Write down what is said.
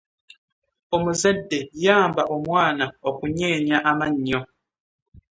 Omuzadde yamba omwana okunyeenya amannyo.